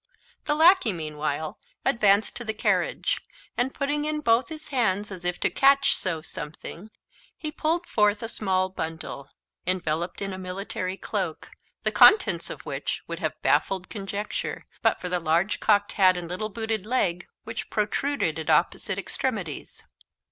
The lackey, meanwhile, advanced to the carriage; and, putting in both his hands, as if to catch so something, he pulled forth a small bundle, enveloped in a military cloak, the contents of which would have baffled conjecture, but for the large cocked hat and little booted leg which protruded at opposite extremities.